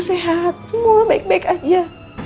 sehat semua baik baik aja